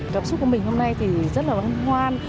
cảm xúc của mình hôm nay thì rất là vắng hoan